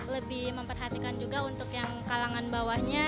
lebih memperhatikan juga untuk yang kalangan bawahnya